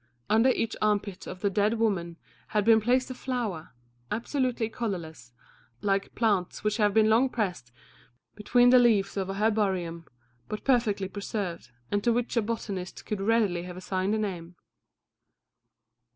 Under each armpit of the dead woman had been placed a flower, absolutely colourless, like plants which have been long pressed between the leaves of a herbarium, but perfectly preserved, and to which a botanist could readily have assigned a name.